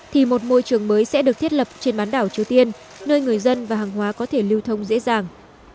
thì một môi trường mới sẽ được thiết lập trên bán đảo triều tiên nơi người dân và hàng hóa có thể lưu thông dễ dàng